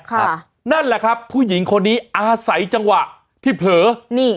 ครับนั่นแหละครับผู้หญิงคนนี้อาศัยจังหวะที่เผลอนี่